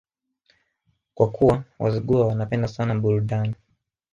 Kwa kuwa Wazigua wanapenda sana burudani